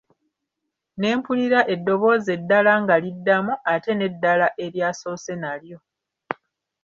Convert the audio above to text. Ne mpulira eddobozi eddala nga liddamu; ate n'eddala eryasoose nalyo.